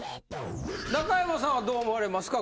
中山さんはどう思われますか？